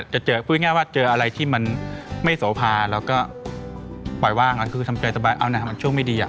จะเจอพูดง่ายว่าเจออะไรที่มันไม่โสภาแล้วก็ปล่อยว่างั้นคือทำใจสบายเอานะมันช่วงไม่ดีอ่ะ